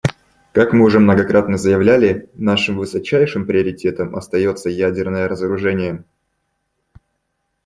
Как мы уже многократно заявляли, нашим высочайшим приоритетом остается ядерное разоружение.